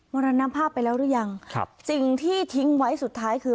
มรณภาพไปแล้วหรือยังครับสิ่งที่ทิ้งไว้สุดท้ายคือ